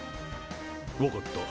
分かった。